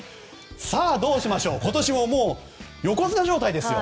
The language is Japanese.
さあどうしましょう、今年も横綱状態ですよ。